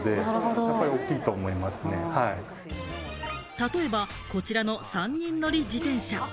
例えば、こちらの３人乗り自転車。